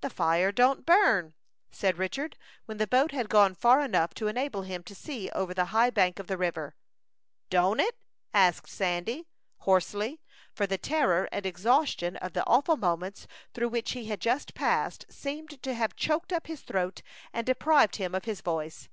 "The fire don't burn," said Richard, when the boat had gone far enough to enable him to see over the high bank of the river. "Don't it?" asked Sandy, hoarsely, for the terror and exhaustion of the awful moments through which he had just passed seemed to have choked up his throat, and deprived him of his voice.